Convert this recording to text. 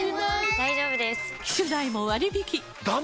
大丈夫です！